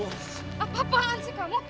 apa apaan sih kamu